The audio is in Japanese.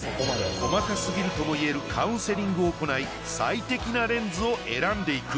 細かすぎるともいえるカウンセリングを行い最適なレンズを選んでいく。